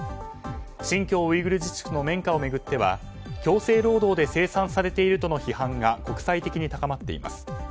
新疆ウイグル自治区の綿花を巡っては強制労働で生産されているとの批判が国際的に高まっています。